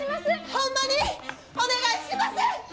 ホンマにお願いします！